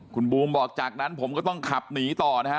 คุณบูมบอกจากนั้นผมก็ต้องขับหนีต่อนะฮะ